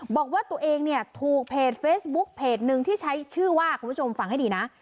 บอกว่าตัวเองเนี่ยถูกเพจเฟซบุ๊กเพจหนึ่งที่ใช้ชื่อว่าคุณผู้ชมฟังให้ดีนะ